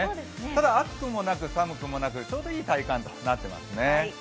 ただ、暑くもなく、寒くもなく、ちょうどいい体感になっていますね。